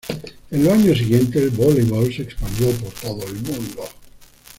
En los años siguientes, el voleibol se expandió por todo el mundo.